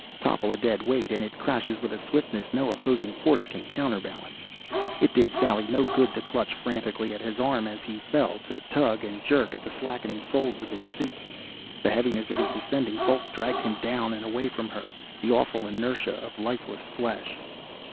Topple a dead weight and it crashes with a swiftness no opposing force can counter balance. It did Sally no good to clutch frantically at his arm as he fell, to tug and jerk at the slackening folds of his suit. The heaviness of his descending bulk dragged him down and away from her, the awful inertia of lifeless flesh.